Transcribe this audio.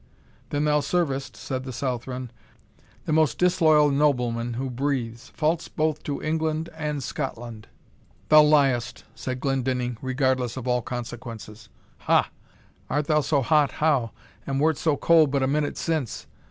"Then thou servest," said the Southron, "the most disloyal nobleman who breathes false both to England and Scotland." "Thou liest," said Glendinning, regardless of all consequences. "Ha! art thou so hot how, and wert so cold but a minute since?